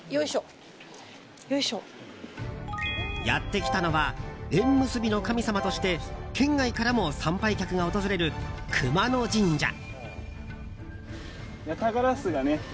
やってきたのは縁結びの神様として県外からも参拝客が訪れる熊野神社。